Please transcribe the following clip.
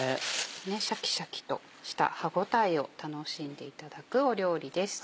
シャキシャキとした歯応えを楽しんでいただく料理です。